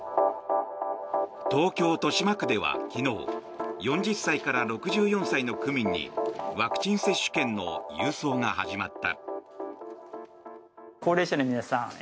東京・豊島区では昨日４０歳から６４歳の区民にワクチン接種券の郵送が始まった。